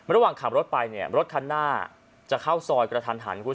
ระหว่างขับรถไปรถคันหน้าจะเข้าซอยกระทัน